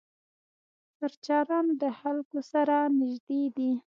سرچران له خلکو سره نږدې دي.